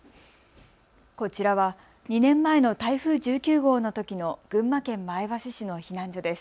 こちらは２年前の台風１９号のときの群馬県前橋市の避難所です。